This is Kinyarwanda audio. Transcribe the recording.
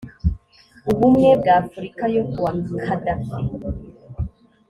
ubumwe bw afurika yo kuwa kadafi